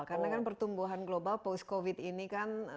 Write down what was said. karena kan pertumbuhan global post covid ini kan